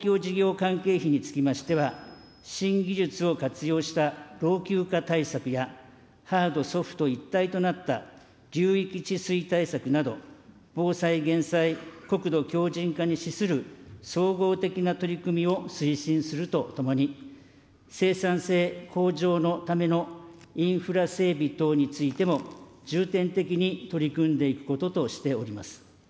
公共事業関係費につきましては、新技術を活用した老朽化対策や、ハード、ソフト一体となった流域治水対策など、防災・減災、国土強じん化に資する総合的な取り組みを推進するとともに、生産性向上のためのインフラ整備等についても、重点的に取り組んでいくこととしております。